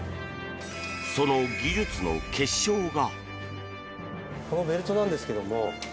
その技術の結晶が！